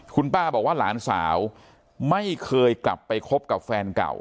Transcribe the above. คุณป้าบอกว่าหลานสาวไม่เคยกลับไปคบกับแฟนเก่า